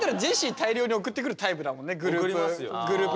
大量に送ってくるタイプだもんねグループ。